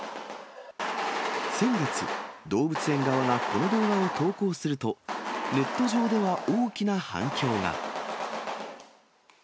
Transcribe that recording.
先月、動物園側がこの動画を投稿すると、ネット上では大きな反響が。